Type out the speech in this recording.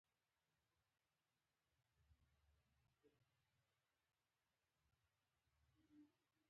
پاچا د جګرې په زيانونو باندې خبرې وکړې .